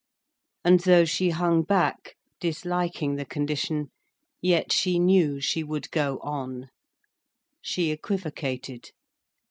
And though she hung back, disliking the condition, yet she knew she would go on. She equivocated.